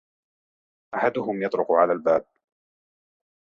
أحدهم يطرق على الباب.